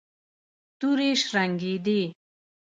تورې شرنګېدې.